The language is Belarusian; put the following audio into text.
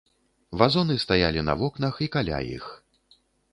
Вазоны стаялі на вокнах і каля іх.